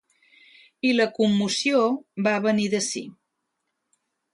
I la commoció va venir d’ací.